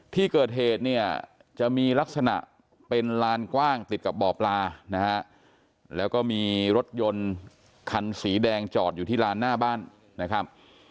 ที่เกิดเหตุเนี่ยจะมีลักษณะเป็นลานกว้างติดกับบ่อปลานะฮะแล้วก็มีรถยนต์คันสีแดงจอดอยู่ที่ลานหน้าบ้านนะครับ